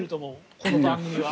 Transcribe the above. この番組は。